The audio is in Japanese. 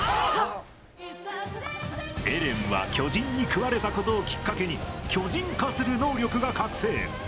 エレンは巨人に食われたことをきっかけに巨人化する能力が覚醒。